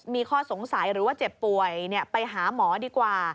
มีข้อสงสัยหรือว่าเจ็บป่วยไปหาหมอดีกว่า